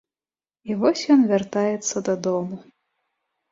І вось ён вяртаецца дадому.